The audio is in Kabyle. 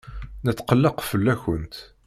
Netqelleq fell-akent.